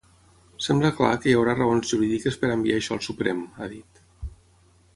Sembla clar que hi haurà raons jurídiques per enviar això al Suprem, ha dit.